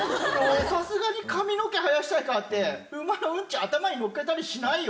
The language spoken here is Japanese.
さすがに髪の毛生やしたいからって、馬のうんち、頭に乗っけたりしないよ。